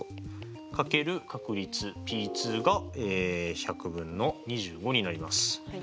掛ける確率がｐ１００分の２５になります。